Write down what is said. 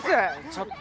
ちょっと。